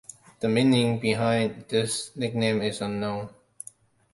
The meaning behind this nickname is unknown.